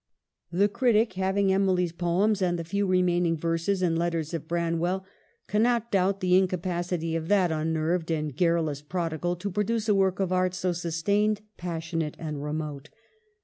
220 EMILY BRONTE. The critic, having Emily's poems and the few remaining verses and letters of Branwell, cannot doubt the incapacity of that unnerved and gar rulous prodigal to produce a work of art so sus tained, passionate, and remote.